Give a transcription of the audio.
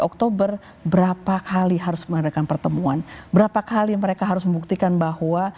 oktober berapa kali harus mengadakan pertemuan berapa kali mereka harus membuktikan bahwa